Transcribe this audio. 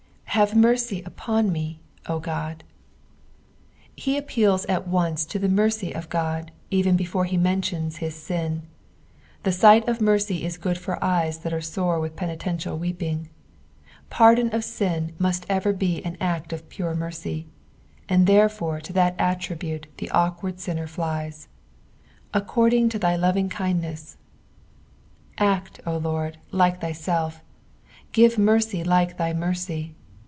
"Bom mtrcy vp<m me, 0 Ood." He appeals at once to the mercy of God, even before he menliona his ain. The sight of mercy is good for ejea that are sore with penitCDtial weeping. Pardoo o[ sin must eyer be nn act of pure mercj, and therefore to that attribute the awakened aianer flies. ''■Acarrding to thf UmngkindnatV Act, 0 Lord, like thjaelf ; give mere j like thy mercy.